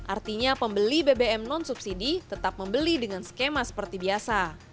artinya pembeli bbm non subsidi tetap membeli dengan skema seperti biasa